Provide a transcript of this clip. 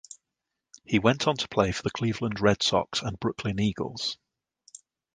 He went on to play for the Cleveland Red Sox and Brooklyn Eagles.